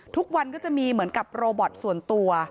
ทุกวันก็จะมีเหมือนกับโรบอตส่วนตัว